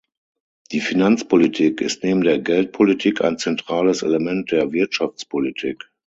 Die Finanzpolitik ist neben der Geldpolitik ein zentrales Element der Wirtschaftspolitik.